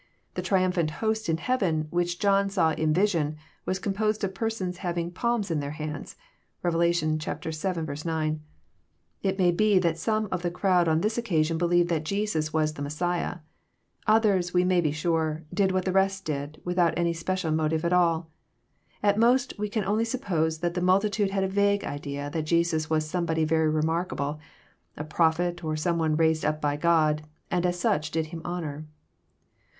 The triumphant host in heaven, which John saw in vision, was composed of persons having *< palms in their hands." (Rev. vii. 9.) It may be that some of the crowd on this occasion believed that Jesus was the Messiah. Others, we may be sure, did what the rest did, without any special motive at all. At most we can only suppose that the multitude had a vague idea that Jesus was somebody very remarkable, a prophet, or some one raised up by God, and as such did Him honour.